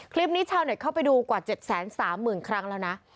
ชาวเน็ตเข้าไปดูกว่า๗๓๐๐๐ครั้งแล้วนะ